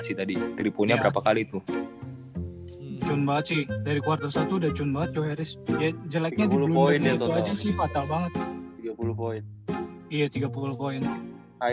sih tadi keripunya berapa kali itu cun banget sih dari kuartal satu udah cun banget jelaknya